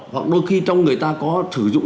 hoặc đôi khi trong người ta có sử dụng